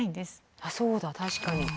あっそうだ確かに。